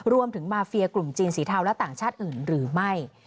รวมถึงมาเฟียกลุ่มจีนสีเทาและต่างชาติอื่นหรือไม่